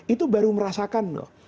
itu baru merasakan loh